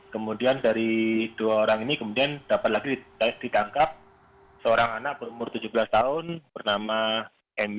kemudian dari dua orang ini kemudian dapat lagi ditangkap seorang anak berumur tujuh belas tahun bernama m